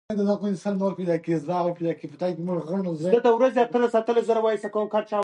په متني نقد کي د امانت دارۍاصل ساتل کیږي.